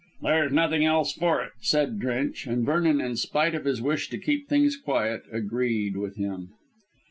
"There's nothing else for it," said Drench, and Vernon in spite of his wish to keep things quiet, agreed with him.